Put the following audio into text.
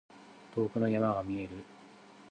遠くの山が見える。